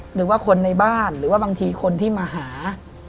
หรือว่าคนในบ้านหรือว่าบางทีคนที่มาหา